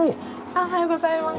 おはようございます。